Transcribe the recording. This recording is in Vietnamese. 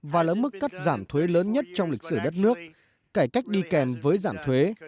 và là mức cắt giảm thuế lớn nhất trong lịch sử đất nước cải cách đi kèm với giảm thuế